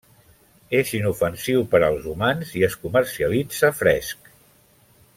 És inofensiu per als humans i es comercialitza fresc.